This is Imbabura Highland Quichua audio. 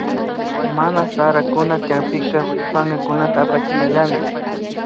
Mana sarakuna tyakpika pankakunata patachinallami